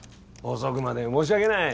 遅くまで申し訳ない。